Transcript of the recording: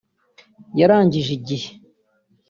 yarangije igihe